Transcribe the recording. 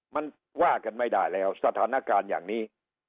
มันว่ากันไม่ได้แล้วสถานการณ์อย่างนี้